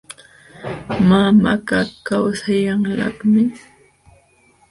Mamakaq kawsayanlaqmi.